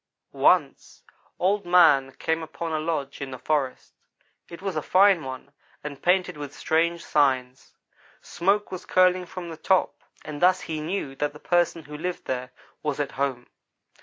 "Once Old man came upon a lodge in the forest. It was a fine one, and painted with strange signs. Smoke was curling from the top, and thus he knew that the person who lived there was at home.